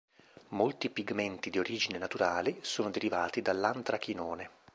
Molti pigmenti di origine naturale sono derivati dall'antrachinone.